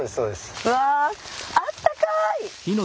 うわあったかい！